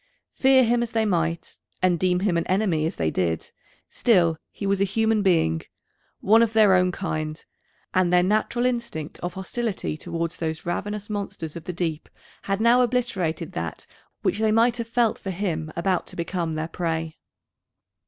Fear him as they might, and deem him an enemy as they did, still was he a human being, one of their own kind, and their natural instinct of hostility towards those ravenous monsters of the deep had now obliterated that which they might have felt for him about to become their prey.